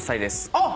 あっ！